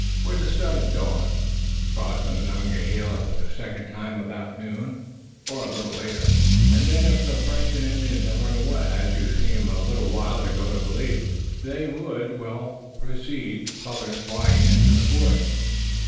"We're to start at dawn. We'll cross the Monongahela for the second time about noon, or a little later, and then, if the French and Indians have run away, as you seemed a little while ago to believe they would, we'll proceed, colors flying into the fort."